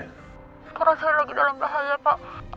sekarang saya lagi dalam bahaya pak